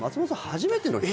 初めての人？